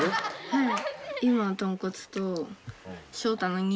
はい。